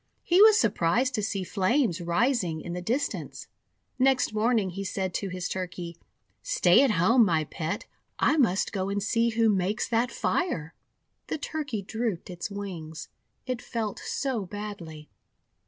He was surprised to see flames rising in the distance. Next morning he said to his Turkey: — :'Stay at home, my Pet. I must go and see who makes that fire." The Turkey drooped its wings, it felt so badly.